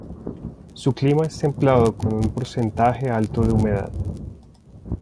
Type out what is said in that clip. Su clima es templado con un porcentaje alto de humedad.